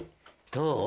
どう？